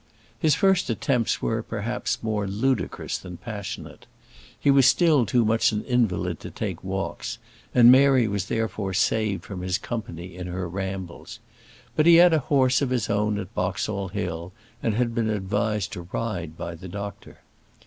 His first attempts were, perhaps, more ludicrous than passionate. He was still too much an invalid to take walks, and Mary was therefore saved from his company in her rambles; but he had a horse of his own at Boxall Hill, and had been advised to ride by the doctor.